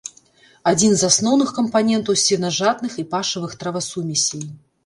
Адзін з асноўных кампанентаў сенажатных і пашавых травасумесей.